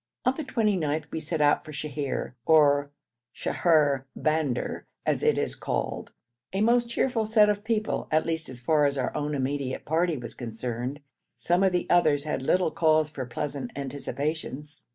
On the 29th we set out for Sheher, or Shaher Bander as it is called, a most cheerful set of people, at least as far as our own immediate party was concerned; some of the others had little cause for pleasant anticipations.